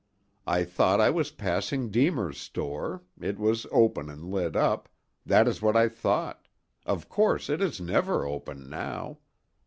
I thought I was passing Deemer's store; it was open and lit up—that is what I thought; of course it is never open now.